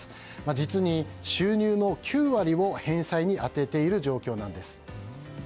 実に収入の９割を返済に充てている状況なんです。